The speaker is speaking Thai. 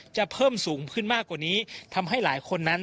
เพิ่มสูงขึ้นมากกว่านี้ทำให้หลายคนนั้น